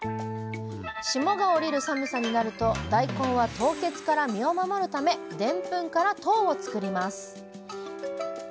霜が降りる寒さになると大根は凍結から身を守るためでんぷんから糖を作ります。